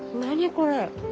これ。